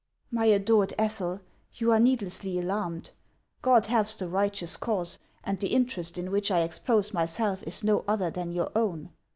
'•' My adored Ethel, you are needlessly alarmed. God helps the righteous cause, and the interest in which I expose myself is no other than your own.